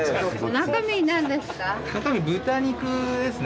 中身何ですか？